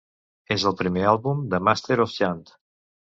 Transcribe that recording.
És el primer àlbum de "Masters of Chant".